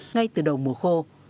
ngay từ đầu mùa khô